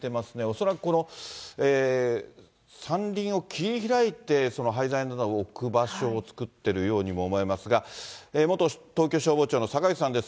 恐らく、この山林を切り開いて、その廃材などを置く場所を作っているようにも思えますが、元東京消防庁の坂口さんです。